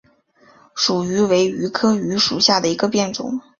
蜀榆为榆科榆属下的一个变种。